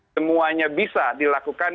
semuanya bisa dilakukan